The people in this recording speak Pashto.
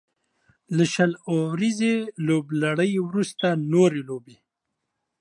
له شل اوريزې لوبلړۍ وروسته نورې لوبې